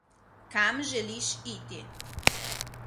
Kam želiš iti?